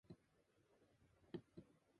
Later, Mr. Giri resigned as the Vice President.